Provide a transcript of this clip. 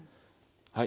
はい。